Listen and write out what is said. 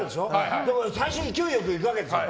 だから最初、勢いよくいくわけですよ。